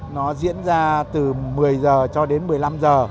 nó diễn ra từ một mươi h cho đến một mươi năm h